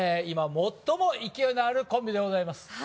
今最も勢いのあるコンビでございます。